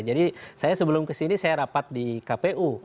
jadi saya sebelum kesini saya rapat di kpu